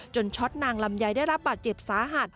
ช็อตนางลำไยได้รับบาดเจ็บสาหัส